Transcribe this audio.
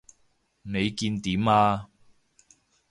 你見點啊？